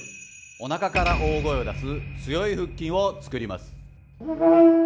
おなかから大声を出す強い腹筋を作ります。